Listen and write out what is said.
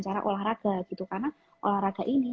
cara olahraga gitu karena olahraga ini